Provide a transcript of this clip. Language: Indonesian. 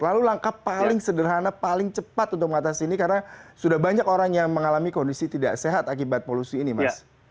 lalu langkah paling sederhana paling cepat untuk mengatasi ini karena sudah banyak orang yang mengalami kondisi tidak sehat akibat polusi ini mas